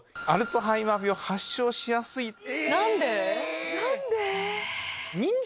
何で？